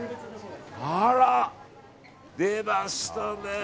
あら、出ましたね。